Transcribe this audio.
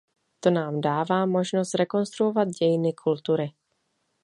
To nám dává možnost zrekonstruovat dějiny kultury.